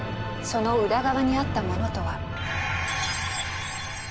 その裏側にあったものとは？